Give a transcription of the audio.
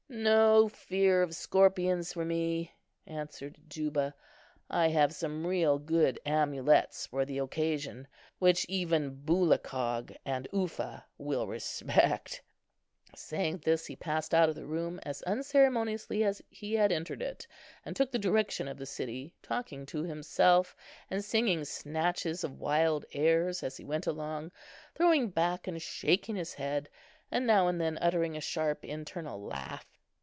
"No fear of scorpions for me," answered Juba; "I have some real good amulets for the occasion, which even boola kog and uffah will respect." Saying this, he passed out of the room as unceremoniously as he had entered it, and took the direction of the city, talking to himself, and singing snatches of wild airs as he went along, throwing back and shaking his head, and now and then uttering a sharp internal laugh.